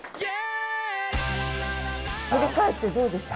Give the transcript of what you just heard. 振り返ってどうですか？